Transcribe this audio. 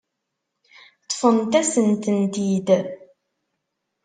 Ṭṭfent-asent-tent-id.